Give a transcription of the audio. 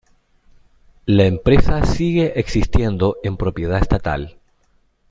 La empresa sigue existiendo en propiedad estatal.